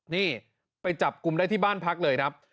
นี่ไปจับกลุ่มได้ที่บ้านพักเลยครับ